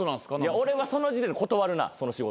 俺はその時点で断るなその仕事。